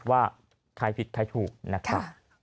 ว่าใครผิดใครถูกนะครับ